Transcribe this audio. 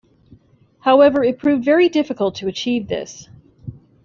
However, it proved very difficult to achieve this.